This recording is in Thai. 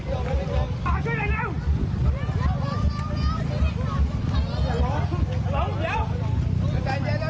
น้องกว่าน้ำนักเรียนหรือเปล่า